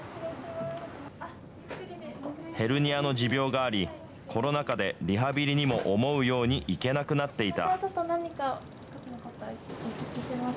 ヘルニアの持病があり、コロナ禍でリハビリにも思うように行けなくなっていた。